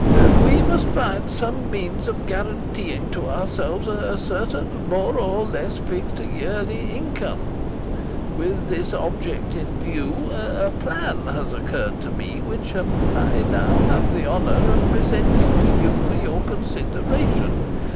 We must find some means of guaranteeing to ourselves a certain more or less fixed yearly income. With this object in view, a plan has occurred to me which I now have the honour of presenting to you for your consideration.